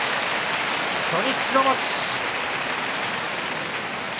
初日白星。